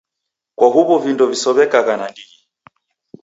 Kwa huw'o vindo visow'ekagha nandighi.